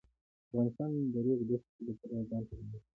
افغانستان د د ریګ دښتې د پلوه ځانته ځانګړتیا لري.